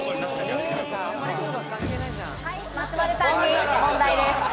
松丸さんに問題です。